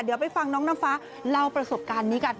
เดี๋ยวไปฟังน้องน้ำฟ้าเล่าประสบการณ์นี้กัน